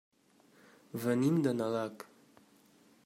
Venim de Nalec.